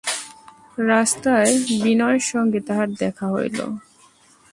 রাস্তায় বিনয়ের সঙ্গে তাহার দেখা হইল।